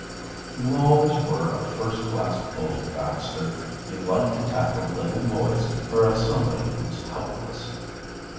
"You always were a first class bully, Baxter. You like to tackle little boys, or else somebody who is helpless."